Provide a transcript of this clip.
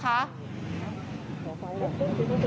ครับสวัสดีครับ